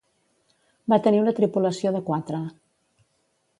Va tenir una tripulació de quatre.